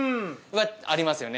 はありますよね。